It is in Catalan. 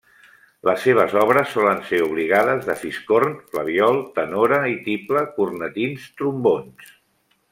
Les seves obres solen ser obligades de fiscorn, flabiol, tenora i tible, cornetins, trombons.